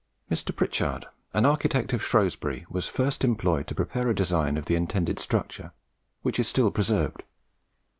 Mr. Pritchard, an architect of Shrewsbury, was first employed to prepare a design of the intended structure, which is still preserved.